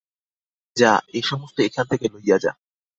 যা, এ-সমস্ত এখান থেকে লইয়া যা।